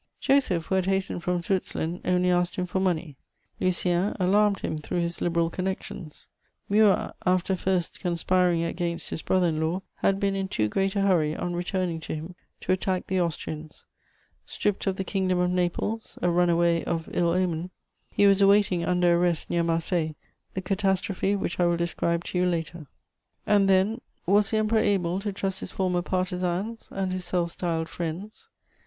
Joseph, who had hastened from Switzerland, only asked him for money; Lucien alarmed him through his Liberal connections; Murat, after first conspiring against his brother in law, had been in too great a hurry, on returning to him, to attack the Austrians: stripped of the Kingdom of Naples, a runaway of ill omen, he was awaiting, under arrest, near Marseilles, the catastrophe which I will describe to you later. [Sidenote: Twofold traitors.] And then, was the Emperor able to trust his former partisans and his self styled friends?